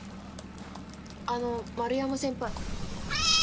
あの丸山先輩。